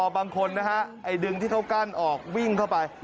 บางคนนะฮะไอ้ดึงที่เขากั้นออกวิ่งเข้าไป